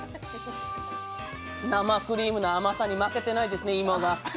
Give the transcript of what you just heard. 生クリームの甘さに負けてないですね、芋が。